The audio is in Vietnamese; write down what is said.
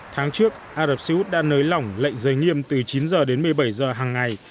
tháng trước ả rập xê út đã nới lỏng lệnh giới nghiêm từ chín h đến một mươi bảy giờ hằng ngày